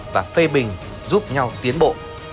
và phê bình giúp nhau tiến bộ